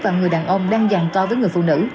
vào người đàn ông đang dàn co với người phụ nữ